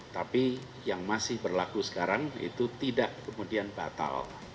tapi yang masih berlaku sekarang itu tidak kemudian batal